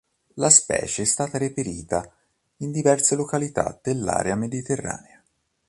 La specie è stata reperita in diverse località dell'area mediterranea.